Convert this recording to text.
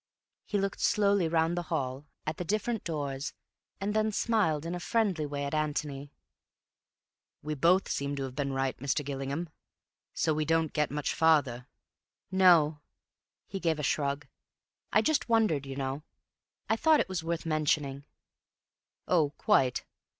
He looked slowly round the hall, at the different doors, and then smiled in a friendly way at Antony. "We both seem to have been right, Mr. Gillingham. So we don't get much farther." "No." He gave a shrug. "I just wondered, you know. I thought it was worth mentioning." "Oh, quite.